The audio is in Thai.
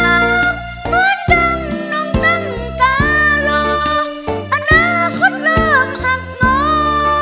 เหมือนดังน้องนั่งตาลออาณาคตเริ่มหักงอ